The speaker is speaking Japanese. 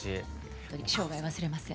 ほんとに生涯忘れません。